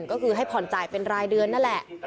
ก็คือให้ผ่อนจ่ายเป็นรายเดือนนั่นแหละ